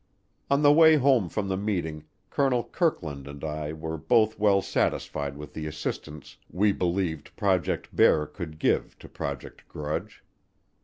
On the way home from the meeting Colonel Kirkland and I were both well satisfied with the assistance we believed Project Bear could give to Project Grudge.